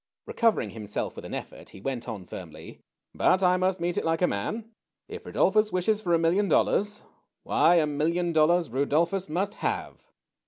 Re covering himself with an effort, he went on firmly :" But I must meet it like a man ! If Rudolphus wishes for a million dollars, why, a million dollars Rudolphus must have